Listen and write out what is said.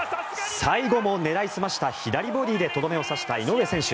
最後も狙い澄ました左ボディーでとどめを刺した井上選手。